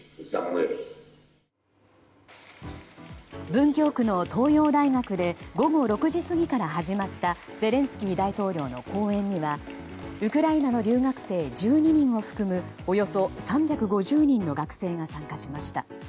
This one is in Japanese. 文京区の東洋大学で午後６時過ぎから始まったゼレンスキー大統領の講演にはウクライナの留学生１２人を含むおよそ３５０人の学生が参加しました。